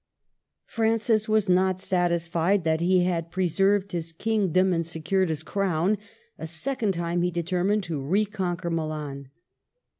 Francis was not satisfied that he had pre served his kingdom and secured his crown. A second time he determined to reconquer Milan.